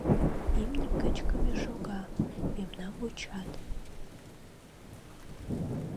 Имне кычкыме шога, мемнам вучат.